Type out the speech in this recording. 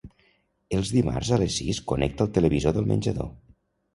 Els dimarts a les sis connecta el televisor del menjador.